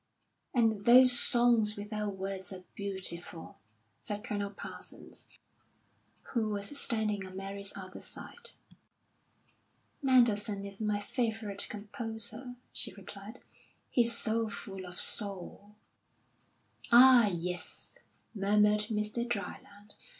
"And those 'Songs Without Words' are beautiful," said Colonel Parsons, who was standing on Mary's other side. "Mendelssohn is my favourite composer," she replied. "He's so full of soul." "Ah, yes," murmured Mr. Dryland.